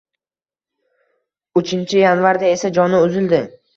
Uchinchi yanvarda esa joni uzildi